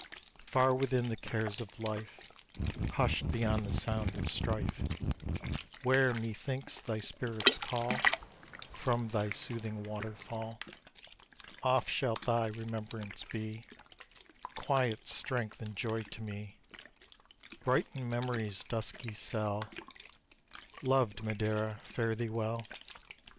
Far within the cares of life, Hushed beyond the sound of strife, Where, methinks, thy spirits call From thy soothing waterfall; Oft shalt thy remembrance be Quiet strength and joy to me, Brightening mem'ry's dusky cell, Loved Madeira, fare thee well.